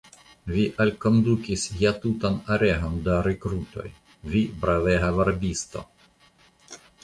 Vi alkondukis ja tutan aregon da rekrutoj, vi bravega varbisto!